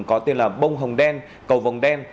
có tên là bông hồng đen cầu vồng đen